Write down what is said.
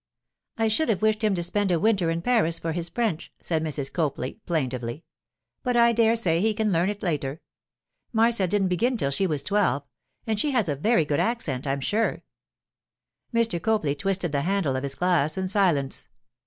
'I should have wished him to spend a winter in Paris for his French,' said Mrs. Copley, plaintively; 'but I dare say he can learn it later. Marcia didn't begin till she was twelve, and she has a very good accent, I am sure.' Mr. Copley twisted the handle of his glass in silence.